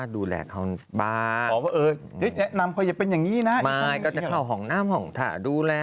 ดูแลคืออะไรที่นี่ว่ามาดูแล